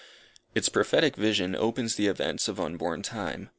Its prophetic vision opens the events of unborn time.